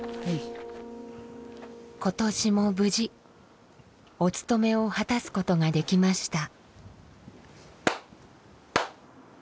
今年も無事おつとめを果たすことができました。